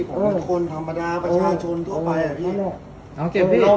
ผมเป็นคนธรรมดาประชาชนทั่วไปอ่ะพี่ลง